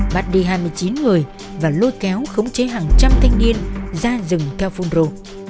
bắt đi hai mươi chín người và lôi kéo khống chế hàng trăm thanh niên ra rừng theo fungro